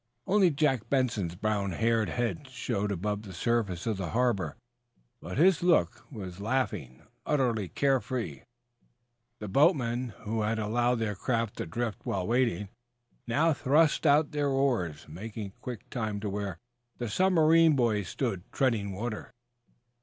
Only Jack Benson's brown haired head showed above the surface of the harbor, but his look was laughing, utterly care free. The boatmen who had allowed their craft to drift while waiting, now thrust out their oars, making quick time to where the submarine boy stood treading water.